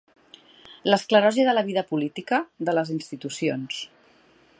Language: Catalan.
L'esclerosi de la vida política, de les institucions.